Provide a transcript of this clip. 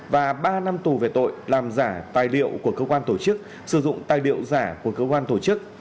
và ba năm tù về tội làm giả tài liệu của cơ quan tổ chức sử dụng tài liệu giả của cơ quan tổ chức